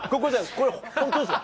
これ本当ですか？